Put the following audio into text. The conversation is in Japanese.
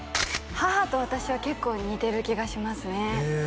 母と私は結構似てる気がしますね